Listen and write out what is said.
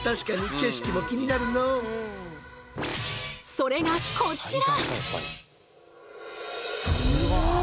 それがこちら！